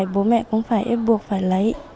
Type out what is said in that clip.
bố mẹ cũng phải ép buộc phải lấy